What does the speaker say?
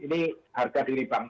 kita bicara soal harga diri bangsa